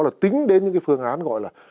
là tính đến những cái phương án gọi là